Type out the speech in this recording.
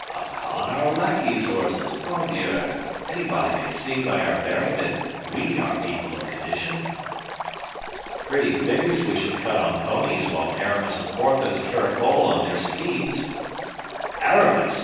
"Upon our lackey's horses, pardieu. Anybody may see by our bearing that we are people of condition." "Pretty figures we shall cut on ponies while Aramis and Porthos caracole on their steeds." "Aramis!